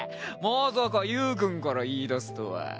まさかゆーくんから言いだすとは。